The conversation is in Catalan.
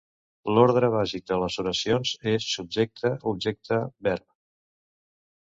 L'ordre bàsic de les oracions és subjecte–objecte–verb.